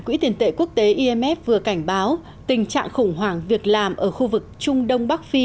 quỹ tiền tệ quốc tế imf vừa cảnh báo tình trạng khủng hoảng việc làm ở khu vực trung đông bắc phi